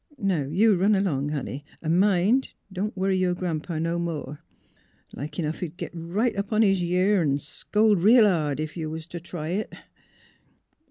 ... Now you run along, honey; an' mind, you don't worry your Gran 'pa no more. Like enough he'd git right up on his year, an' scold real hard, ef you was t' try it."